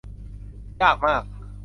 ยากมาก